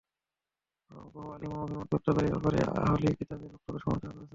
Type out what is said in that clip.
বহু আলিম এ অভিমত ব্যক্ত করে এ ব্যাপারে আহলি কিতাবদের বক্তব্যের সমালোচনা করেছেন।